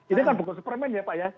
ini kan bukan superman ya pak ya